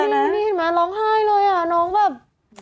นี่เห็นไหมร้องไห้เลยอ่ะน้องแบบ